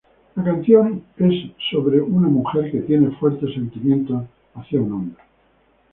La canción es acerca de una mujer que tiene fuertes sentimientos hacia un hombre.